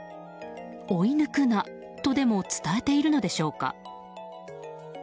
追い抜くなとでも伝えているのでしょうか。